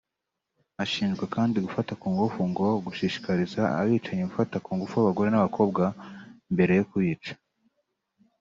Ashinjwa kandi gufata ku ngufu ngo gushishikariza abicanyi gufata ku ngufu abagore n’abakobwa mbere yo kubica